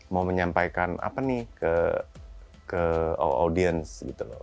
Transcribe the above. mau menyampaikan apa nih ke audience gitu loh